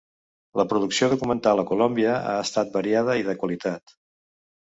La producció documental a Colòmbia ha estat variada i de qualitat.